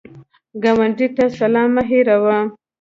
ګاونډي ته سلام مه هېروه